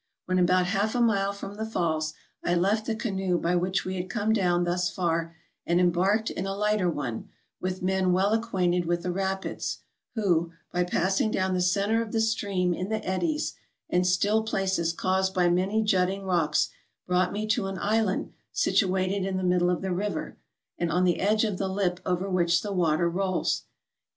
When about half a mile from the falls, I left the canoe by which we had come down thus far, and embarked in a lighter one, with men well acquainted with the rapids, who, by passing down the center of the stream in the eddies and still places caused by many jutting rocks, brought me to an island situated in the middle of the river, and on the edge of the lip over which the water rolls.